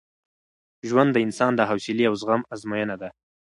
ژوند د انسان د حوصلې او زغم ازموینه ده.